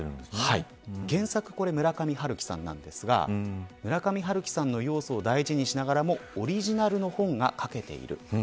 原作は村上春樹さんなんですが村上春樹さんの要素を大事にしながらもオリジナルの本が書けている。